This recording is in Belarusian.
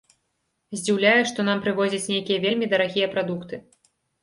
Здзіўляе, што нам прывозяць нейкія вельмі дарагія прадукты.